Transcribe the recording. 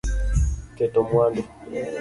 Keto mwandu